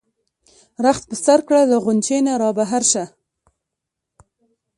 رخت په سر کړه له غُنچې نه را بهر شه.